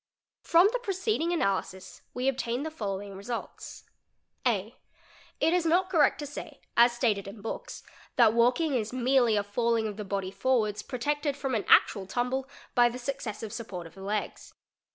_ From the preceding analysis we obtain the following results :.@) It is not correct to say as stated in books that walking is merely a falling of the body forwards, protected from an actual tumble by the §uccessive support of the legs.